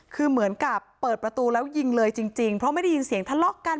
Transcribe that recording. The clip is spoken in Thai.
คือเหมือนกับเปิดประตูแล้วยิงเลยจริงเพราะไม่ได้ยินเสียงทะเลาะกัน